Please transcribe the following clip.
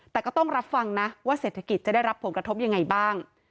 แต่ก็ต้องรับฟังนะว่าเศรษฐกิจจะได้รับผลกระทบยังไงบ้าง